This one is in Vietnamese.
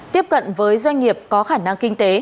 tiếp cận với doanh nghiệp có khả năng kinh tế